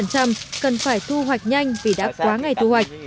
cần phải thu hoạch nhanh vì đã quá ngày thu hoạch